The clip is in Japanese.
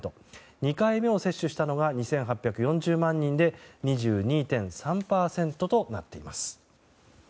２回目を接種したのが２８４０万人で２２．３％となっています。